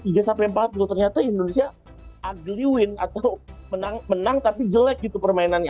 ternyata indonesia agli win atau menang tapi jelek gitu permainannya